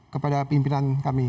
kepada pimpinan kami